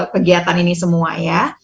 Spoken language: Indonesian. pegiatan ini semua ya